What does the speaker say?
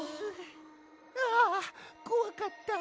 はあこわかった！